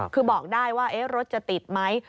คือบอกได้ว่ารถจะติดไหม